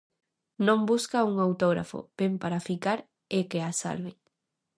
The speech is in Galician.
Non busca un autógrafo, vén para ficar e que a salven.